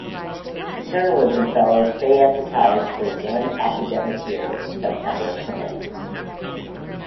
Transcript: Journalism Fellows stay at the college for one academic year from September to May.